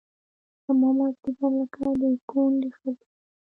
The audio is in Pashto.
زما مازدیګر لکه د کونډې ښځې